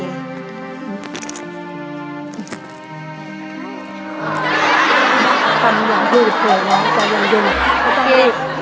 อืมโอเค